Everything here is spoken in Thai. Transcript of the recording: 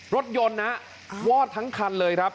รถยนต์นะวอดทั้งคันเลยครับ